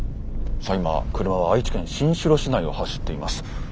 さあ今車は愛知県新城市内を走っています。